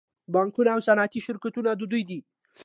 بانکونه او صنعتي شرکتونه د دوی دي